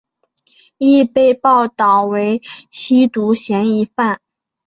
亦被报导为吸毒嫌疑犯。